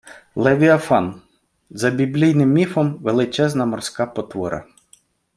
Левіафан - за біблійним міфом, величезна морська потвора